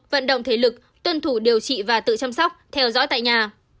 vận động thế lực tuân thủ điều trị và tự chăm sóc theo dõi tại nhà